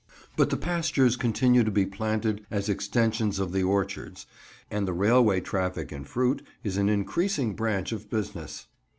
But the pastures continue to be planted as extensions of the orchards, and the railway traffic in fruit is an increasing branch of business.